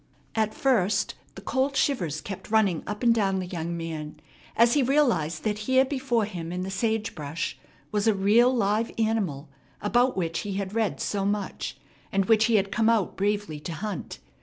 At first the cold shivers kept running up and down the young man as he realized that here before him in the sage brush was a real live animal about which he had read so much, and which he had come out bravely to hunt.